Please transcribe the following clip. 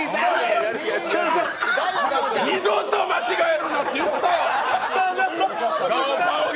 二度と間違えるなって言ったやろ。